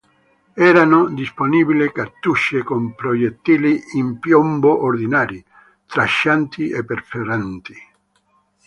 Erano disponibili cartucce con proiettili in piombo ordinari, traccianti e perforanti.